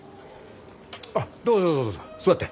どうぞどうぞどうぞ座って。